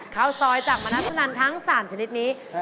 ข้าวซอยจากมณพนันทั้ง๓ชนิดนี้